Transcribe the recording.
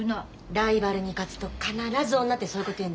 ライバルに勝つと必ず女ってそういうこと言うんだよね。